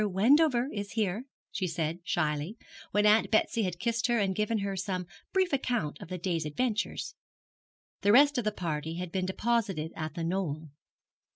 Wendover is here,' she said, shyly, when Aunt Betsy had kissed her and given her some brief account of the day's adventures. The rest of the party had been deposited at The Knoll.